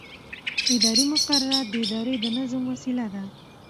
اداري مقررات د ادارې د نظم وسیله ده.